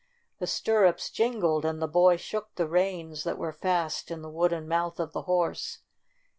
The stir rups jingled and the boy shook the reins that were fast in the wooden mouth of the horse.